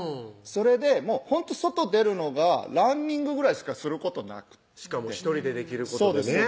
それでほんと外出るのがランニングぐらいしかすることなくってしかも１人でできることでね